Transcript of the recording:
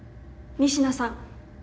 仁科さん。